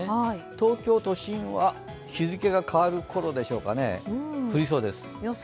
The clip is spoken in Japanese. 東京都心は、日付が変わるころでしょうか、降りそうです。